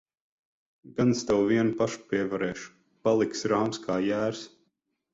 Gan es tevi vienu pašu pievarēšu! Paliksi rāms kā jērs.